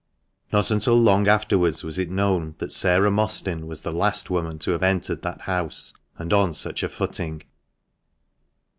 Not until long afterwards was it known that Sarah Mostyn was the last woman to have entered that house, and on such a footing.